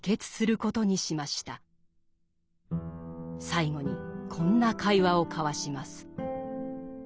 最後にこんな会話を交わします。